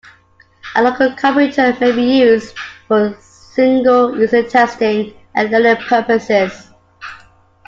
A local computer may be used for single-user testing and learning purposes.